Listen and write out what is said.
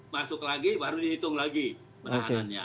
masuk lagi baru dihitung lagi penahanannya